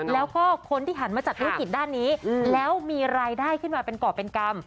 แล้วก็คนที่หันมาจัดธุรกิจด้านนี้แล้วมีรายได้ขึ้นมาเป็นก่อเป็นกรรม